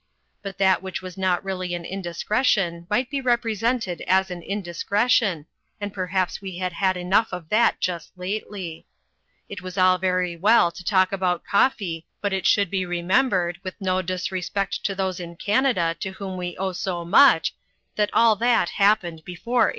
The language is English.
But that which was not really an indiscretion might be represented as an indiscretion, and perhaps we had had enough of that just lately. It was all very well to talk about Cofle but it should be remembered, with no disrespect to those in Canada to whom we owe so much, that all that happened before 1891.